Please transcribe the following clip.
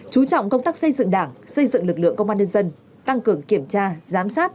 chú trọng công tác xây dựng đảng xây dựng lực lượng công an nhân dân tăng cường kiểm tra giám sát